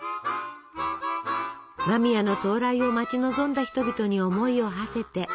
間宮の到来を待ち望んだ人々に思いをはせて。